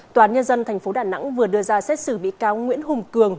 toàn nhân dân thành phố đà nẵng vừa đưa ra xét xử bị cáo nguyễn hùng cường